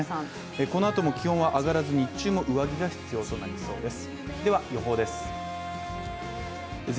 このあとも気温は上がらず日中も上着が必要となりそうです。